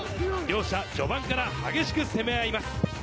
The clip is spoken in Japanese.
両者、序盤から激しく攻め合います。